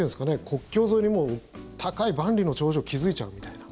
国境沿いに高い万里の長城を築いちゃうみたいな。